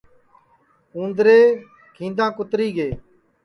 اُندرے کھیندا کُتری گے